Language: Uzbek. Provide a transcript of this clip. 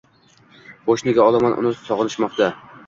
Xo‘sh, nega olomon uni sog‘inishmoqda?